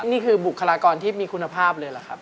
นี่คือบุคลากรที่มีคุณภาพเลยเหรอครับ